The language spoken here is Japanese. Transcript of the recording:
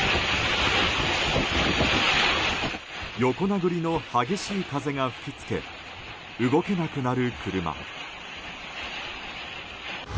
横殴りの激しい風が吹き付け動けなくなる車。